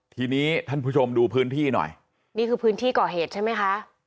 ทีนี้ท่านผู้ชมดูพื้นที่หน่อยนี่คือพื้นที่ก่อเหตุใช่ไหมคะ